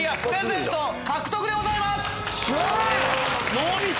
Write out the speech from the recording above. ノーミス！